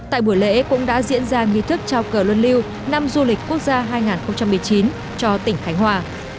tại buổi lễ cũng đã diễn ra nghi thức trao cờ luân lưu năm du lịch quốc gia hai nghìn một mươi chín cho tỉnh khánh hòa